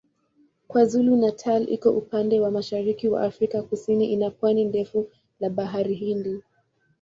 KwaZulu-Natal iko upande wa mashariki wa Afrika Kusini ina pwani ndefu la Bahari Hindi.